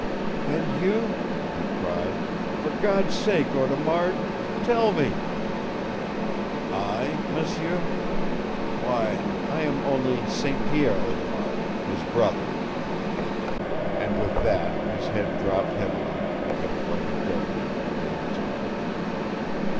"And YOU?" he cried. "For God's sake, Audemard tell me " "I, m'sieu? Why, I am only St. Pierre Audemard, his brother." And with that his head dropped heavily, and he was like a dead man in David's arms.